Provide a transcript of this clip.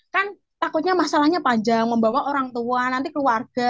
kan takutnya masalahnya panjang membawa orang tua nanti keluarga